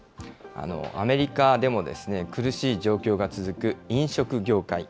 アメリカでも、苦しい状況が続く飲食業界。